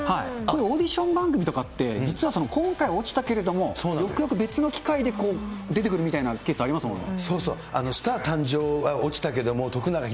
オーディション番組とかって、実は今回落ちたけれども、よくよく別の機会で出てくるみたいなケースありますもんね。